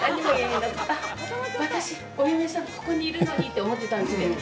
私お嫁さん、ここにいるのにって思ってたんですけど。